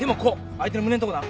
相手の胸んとこな。